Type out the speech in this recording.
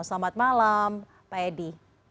selamat malam pak edi